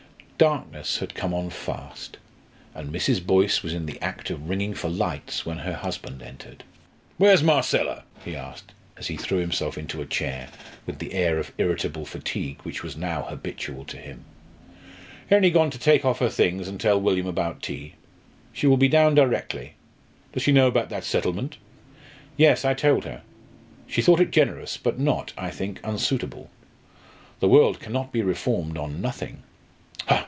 Darkness had come on fast, and Mrs. Boyce was in the act of ringing for lights when her husband entered. "Where's Marcella?" he asked as he threw himself into a chair with the air of irritable fatigue which was now habitual to him. "Only gone to take off her things and tell William about tea. She will be down directly." "Does she know about that settlement?" "Yes, I told her. She thought it generous, but not I think unsuitable. The world cannot be reformed on nothing."